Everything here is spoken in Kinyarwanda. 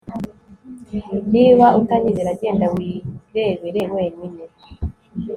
Niba utanyizera genda wirebere wenyine